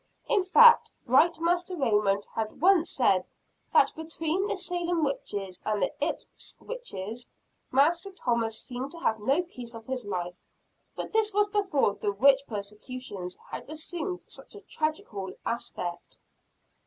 In fact, bright Master Raymond had once said that, between the Salem witches and the Ips witches, Master Thomas seemed to have no peace of his life. But this was before the witch persecutions had assumed such a tragical aspect.